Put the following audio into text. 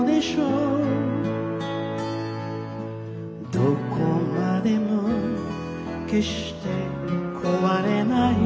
何処までも決して壊れない